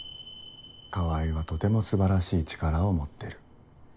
川合はとても素晴らしい力を持ってる。